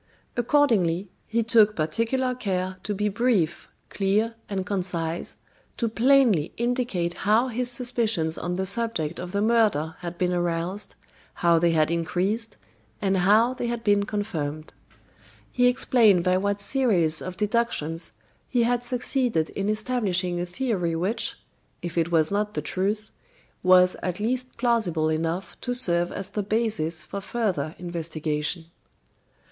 Accordingly, he took particular care to be brief, clear, and concise, to plainly indicate how his suspicions on the subject of the murder had been aroused, how they had increased, and how they had been confirmed. He explained by what series of deductions he had succeeded in establishing a theory which, if it was not the truth, was at least plausible enough to serve as the basis for further investigation.